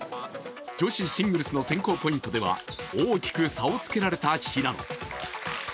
女子シングルスの選考ポイントでは大きく差をつけられた平野。